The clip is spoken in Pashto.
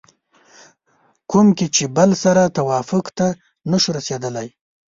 کوم کې چې بل سره توافق ته نشو رسېدلی